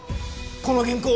この原稿